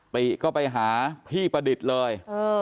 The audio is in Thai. ติก็ไปหาพี่ประดิษฐ์เลย